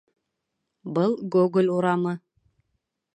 Был Гоголь урамы.